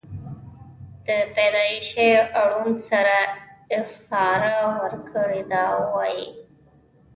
دَپيدائشي ړوند سره استعاره ورکړې ده او وائي: